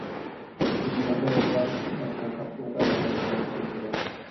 তিনি বছরের পর বছর স্বকীয়তা বজায় রেখে খেলেছিলেন।